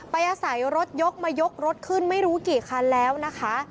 อาศัยรถยกมายกรถขึ้นไม่รู้กี่คันแล้วนะคะ